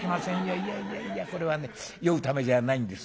「いやいやいやこれはね酔うためじゃないんです。